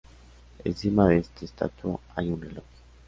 Encima de esta estatua hay un reloj.